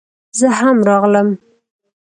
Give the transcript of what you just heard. زه هم راغلم